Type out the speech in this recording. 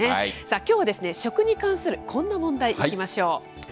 きょうは食に関するこんな問題、いきましょう。